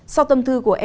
sau tâm tư của em